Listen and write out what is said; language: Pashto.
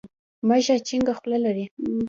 مږه چينګه خوله لري.